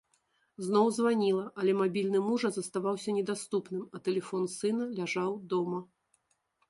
Зноў званіла, але мабільны мужа заставаўся недаступным, а тэлефон сына ляжаў дома.